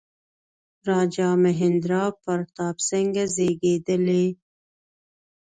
راجا مهیندرا پراتاپ سینګه زېږېدلی.